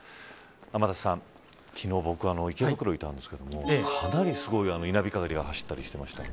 天達さん昨日、僕は池袋いたんですけどかなりすごい稲光がしたりしていました。